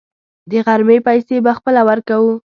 د غرمې پیسې به خپله ورکوو.